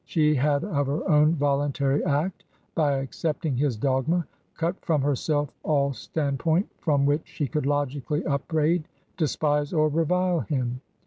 She had of her own voluntary act, by accept ing his dogma, cut from herself all standpoint from which she could logically upbraid, despise, or revile him.